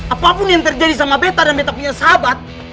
apapun yang terjadi sama betta dan betta punya sahabat